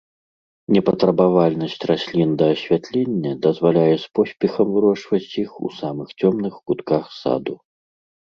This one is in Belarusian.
Непатрабавальнасць раслін да асвятлення дазваляе з поспехам вырошчваць іх у самых цёмных кутках саду.